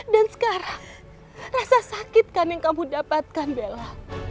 dan sekarang rasa sakit kan yang kamu dapatkan bella